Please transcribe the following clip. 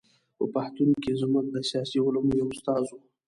په پوهنتون کې زموږ د سیاسي علومو یو استاد و.